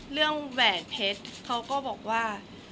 เรื่องแหวนเพชรเขาก็บอกว่า